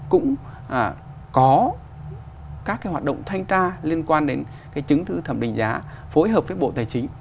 cũng có các cái hoạt động thanh tra liên quan đến cái chứng thư thẩm định giá phối hợp với bộ tài chính